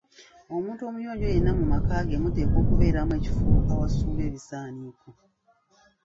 Omuntu omuyonjo yenna mu maka ge muteekwa okubeeramu ekifo awasulwa ebisaaniiko.